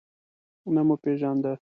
نه مو پیژانده.